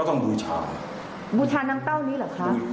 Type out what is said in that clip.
ก็ต้องบูชาบูชาน้ำเต้านี่เหรอคะ